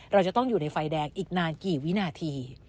เราจะต้องอยู่ในไฟแดงอีกนานกี่วินาที